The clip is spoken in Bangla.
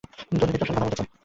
তোর দিদি তোর সাথে কথা বলতে চায়।